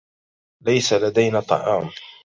ليس لدينا طعام.